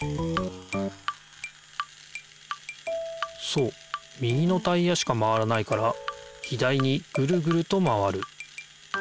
そう右のタイヤしか回らないから左にぐるぐると回る。